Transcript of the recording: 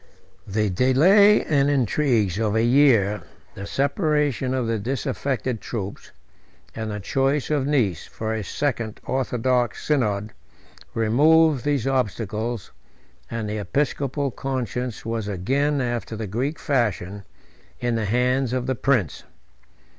The delay and intrigues of a year, the separation of the disaffected troops, and the choice of Nice for a second orthodox synod, removed these obstacles; and the episcopal conscience was again, after the Greek fashion, in the hands of the prince.